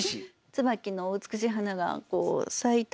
椿の美しい花が咲いた